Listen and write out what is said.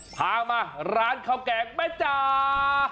พามาร้านข้าวแกงแม่จ๋า